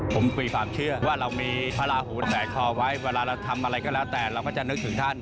ผมคุยความเชื่อว่าเรามีพระราหูแฝงคอไว้เวลาเราทำอะไรก็แล้วแต่เราก็จะนึกถึงท่าน